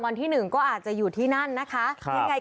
วันที่๑ก็อาจจะอยู่ที่นั่นนะคะ